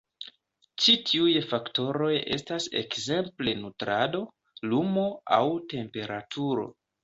Ĉi-tiuj faktoroj estas ekzemple nutrado, lumo aŭ temperaturo.